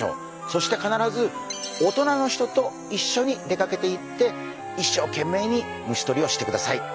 そして必ずおとなの人といっしょに出かけていって一生けん命に虫とりをしてください。